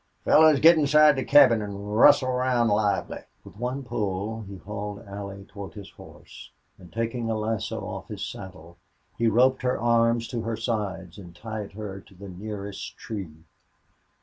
"Fellers, get inside the cabin an' rustle around lively." With one pull he hauled Allie toward his horse, and, taking a lasso off his saddle, he roped her arms to her sides and tied her to the nearest tree.